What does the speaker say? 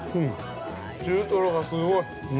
中トロがすごい。